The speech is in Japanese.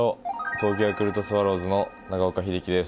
東京ヤクルトスワローズの長岡秀樹です。